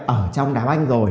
ở trong đảo anh rồi